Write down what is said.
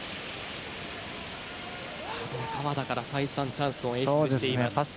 鎌田から再三チャンスを演出しています。